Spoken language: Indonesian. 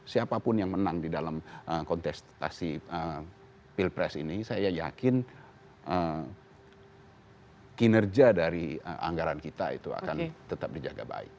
siapapun yang menang di dalam kontestasi pilpres ini saya yakin kinerja dari anggaran kita itu akan tetap dijaga baik